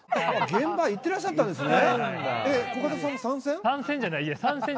現場、行ってらっしゃったんですね。